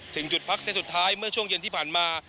ถึงจุดพักเซตสุดท้ายเมื่อช่วงเย็นที่ผ่านมา